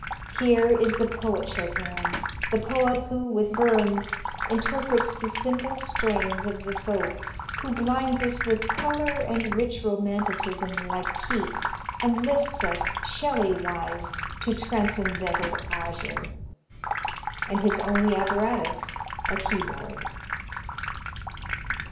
Here is the poet Chopin, the poet who, with Burns, interprets the simple strains of the folk, who blinds us with color and rich romanticism like Keats and lifts us Shelley wise to transcendental azure. And his only apparatus a keyboard.